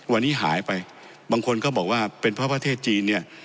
วันนี้หายไปบางคนก็บอกว่าเป็นเพราะประเทศจีนเนี่ย